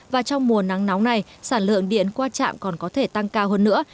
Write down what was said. và trong mùa nắng nóng này sản lượng điện qua trạm còn có thể tăng cao hơn nữa